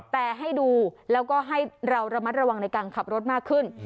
แต่ให้ดูแล้วก็ให้เราระมัดระวังในการขับรถมากขึ้น